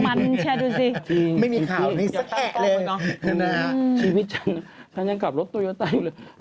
ไม่มีข่าวนี้สักแผ่เลยนะชีวิตฉันนะฉันยังกลับรถตัวยศาลอยู่เลย